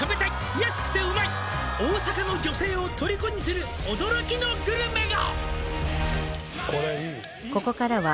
「安くてうまい大阪の女性を虜にする」「驚きのグルメが！」